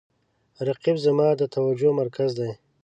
رقیب زما د توجه مرکز دی